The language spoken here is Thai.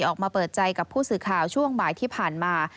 ออกมาเปิดใจกับผู้สื่อข่าวช่วงบ่ายที่ผ่านมา